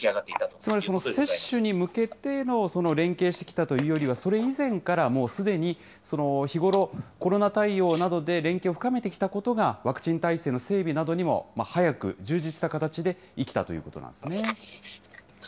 つまりその接種に向けてのその連携してきたというよりは、それ以前からもう、すでに日頃、コロナ対応などで連携を深めてきたことが、ワクチン体制の整備などにも早く充実した形で生きたといそうですね。